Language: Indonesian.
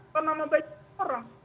terlalu banyak orang